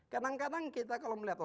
kadang kadang kita kalau melihat